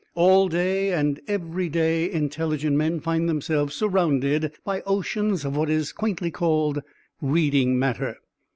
All day and every day intelligent men find themselves surrounded by oceans of what is quaintly called "reading matter."